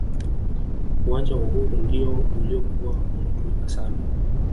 uwanja wa uhuru ndiyo uliyokuwa unatumika sana